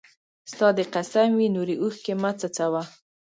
ستا! دي قسم وي نوري اوښکي مه څڅوه